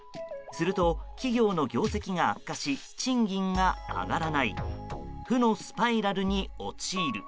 すると、企業の業績が悪化し賃金が上がらない負のスパイラルに陥る。